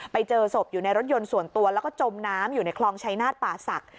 ไปเจอศพอยู่ในรถยนต์ส่วนตัวแล้วก็จมน้ำอยู่ในคลองชายนาฏป่าศักดิ